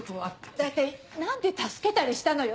大体何で助けたりしたのよ？